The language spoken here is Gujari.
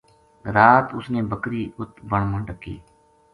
رات اس نے بکری اُت بن ما ڈکی